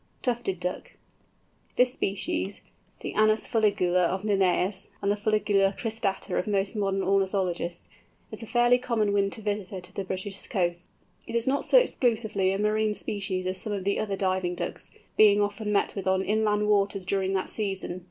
TUFTED DUCK. This species, the Anas fuligula of Linnæus, and the Fuligula cristata of most modern ornithologists, is a fairly common winter visitor to the British coasts. It is not so exclusively a marine species as some of the other diving Ducks, being often met with on inland waters during that season.